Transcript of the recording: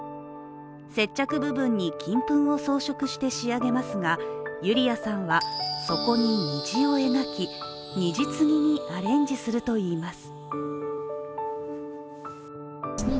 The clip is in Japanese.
接着部分に金粉を装飾して仕上げますがユリヤさんはそこに虹を描き、虹継ぎにアレンジするといいます。